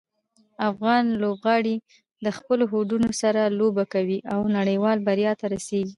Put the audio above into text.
افغان لوبغاړي د خپلو هوډونو سره لوبه کوي او نړیوالې بریا ته رسي.